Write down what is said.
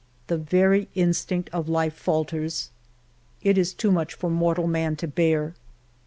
The very instinct of life falters. It is too much for mortal man to bear.